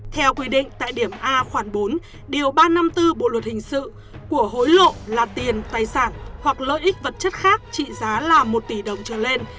theo quy định tại điểm a khoảng bốn điều ba trăm năm mươi bốn bộ luật hình sự của hối lộ là tiền tài sản hoặc lợi ích vật chất khác trị giá là một tỷ đồng trở lên